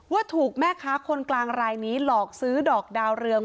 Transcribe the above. ว่าถูกแม่ค้าคนกลางรายนี้หลอกซื้อดอกดาวเรือง